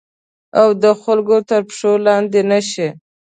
او د خلګو تر پښو لاندي نه شي